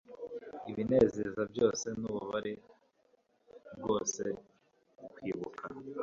ibinezeza byose nububabare bwose, kwibuka